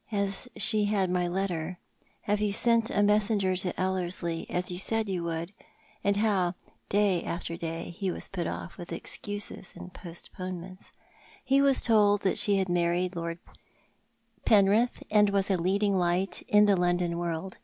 Has she had my letter? Have you sent a messenger to Ellerslie, as you said you would ?" and how, day after day, he was put oif with excuses and postponements. He was told tliat she had married Lord Penrith, and was a leading light in the Loudon world.